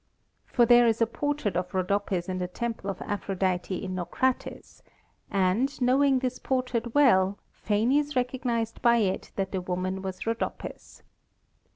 For there is a portrait of Rhodopis in the temple of Aphrodite in Naucratis, and, knowing this portrait well, Phanes recognised by it that the woman was Rhodopis.